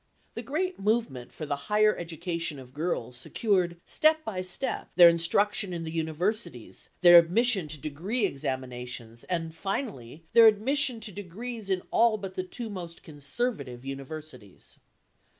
The great movement for the higher education of girls secured, step by step, their instruction in the universities, their admission to degree examinations and, finally, their admission to degrees in all but the two most conservative universities.